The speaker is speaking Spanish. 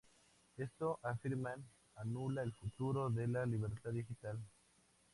Esto, afirman, anula el futuro de la libertad digital.